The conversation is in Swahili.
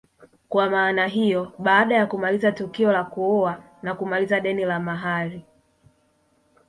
Kwa maana hiyo baada ya kumaliza tukio la kuoa na kumaliza deni la mahari